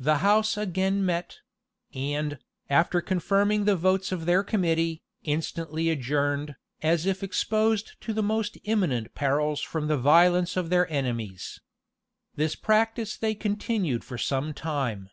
The house again met; and, after confirming the votes of their committee, instantly adjourned, as if exposed to the most imminent perils from the violence of their enemies. This practice they continued for some time.